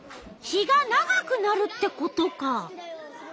日が長くなるってことか。